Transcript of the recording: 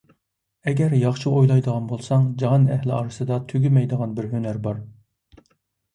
ئەگەر ياخشى ئويلايدىغان بولساڭ، جاھان ئەھلى ئارىسىدا تۈگىمەيدىغان بىر ھۈنەر بار.